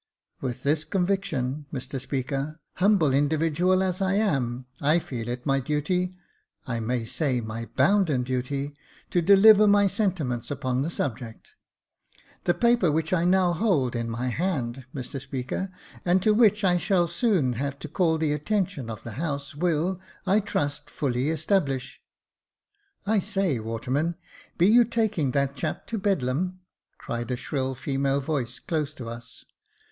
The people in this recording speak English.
With this conviction, Mr Speaker, humble individual as I am, I feel it my duty, I may say, my bounden duty, to deliver my sentiments upon the subject. The papers which I now hold in my hand, Mr Speaker, and to which I shall soon have to call the attention of the House, will, I trust, fully establish "" I say, waterman, be you taking that chap to Bedlam ?" cried a shrill female voice close to us.